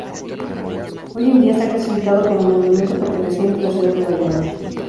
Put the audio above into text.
Hoy en día está clasificado como monumento, perteneciente a la ciudad de Bayona.